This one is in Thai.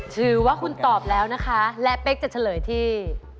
ถือว่าคุณตอบแล้วนะคะและเป๊กจะเฉลยที่